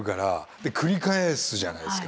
で繰り返すじゃないですか。